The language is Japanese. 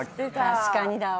確かにだわ。